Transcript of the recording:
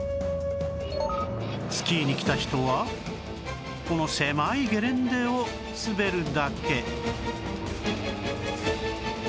スキーに来た人はこの狭いゲレンデを滑るだけ